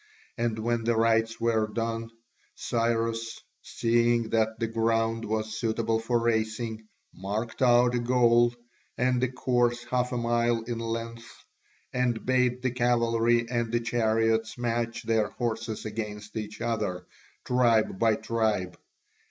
And when the rites were done, Cyrus, seeing that the ground was suitable for racing, marked out a goal, and a course half a mile in length, and bade the cavalry and the chariots match their horses against each other, tribe by tribe.